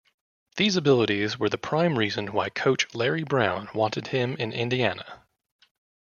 These abilities were the prime reason why coach Larry Brown wanted him in Indiana.